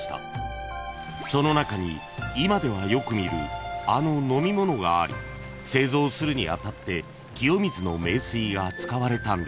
［その中に今ではよく見るあの飲み物があり製造するにあたって清水の名水が使われたんです］